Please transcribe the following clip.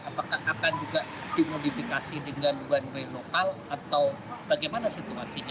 apakah akan juga dimodifikasi dengan one way lokal atau bagaimana situasinya